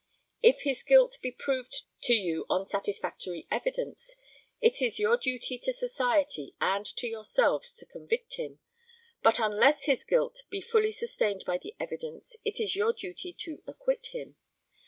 If his guilt be proved to you on satisfactory evidence, it is your duty to society and to yourselves to convict him; but unless his guilt be fully sustained by the evidence, it is your duty to acquit him.